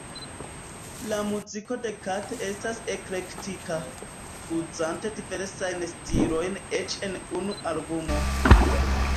La muziko de Kate estas eklektika, uzante diversajn stilojn eĉ en unu albumo.